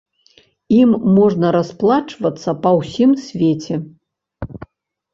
Ім можна расплачвацца па ўсім свеце.